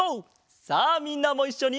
さあみんなもいっしょに！